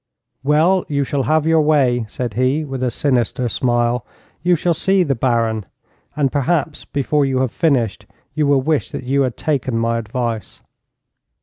'Well, you shall have your way,' said he, with a sinister smile. 'You shall see the Baron. And perhaps, before you have finished, you will wish that you had taken my advice.'